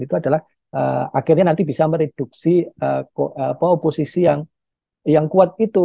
itu adalah akhirnya nanti bisa mereduksi oposisi yang kuat itu